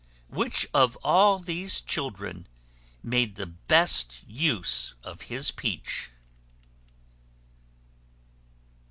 Which of all these children made the best use of his peach?